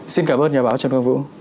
xin cảm ơn nhà báo trần quang vũ